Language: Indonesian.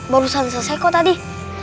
baru sana saya sekot tadi